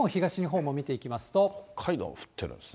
北海道、降ってるんですね。